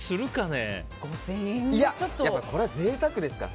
これは贅沢ですから。